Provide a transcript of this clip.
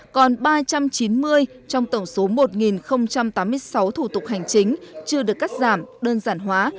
còn ba trăm chín mươi trong tổng số một tám mươi sáu thủ tục hành chính chưa được cắt giảm đơn giản hóa